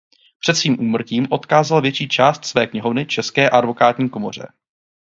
Před svým úmrtím odkázal větší část své knihovny české advokátní komoře.